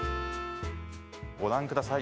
御覧ください